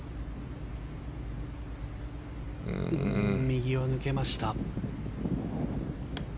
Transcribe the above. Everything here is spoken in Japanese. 右を抜けました。